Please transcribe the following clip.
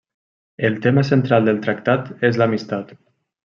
El tema central del tractat és l'amistat.